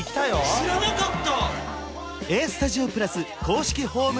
知らなかった！